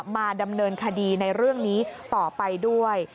มาดำเนินคดีในเรื่องนี้ต่อไปด้วย